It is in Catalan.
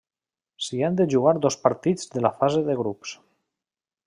S'hi han de jugar dos partits de la fase de grups.